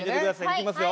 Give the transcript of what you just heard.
いきますよ。